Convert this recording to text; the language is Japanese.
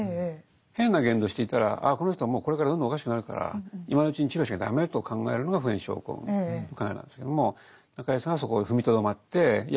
変な言動をしていたらこの人はもうこれからどんどんおかしくなるから今のうちに治療しなきゃ駄目と考えるのが普遍症候群の考えなんですけども中井さんはそこを踏みとどまっていや